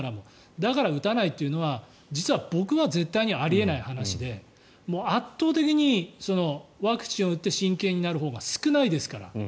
だから、打たないというのは実は僕は絶対にあり得ない話で圧倒的にワクチンを打って心筋炎になるほうが少ないですから。